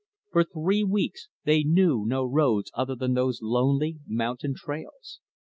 For three weeks, they knew no roads other than those lonely, mountain trails.